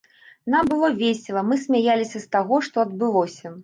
Нам было весела, мы смяяліся з таго, што адбылося.